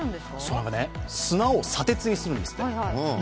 砂を砂鉄にするんですって。